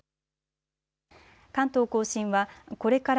関東甲信はこれから